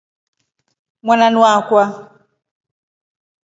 Mwananuu wakwe.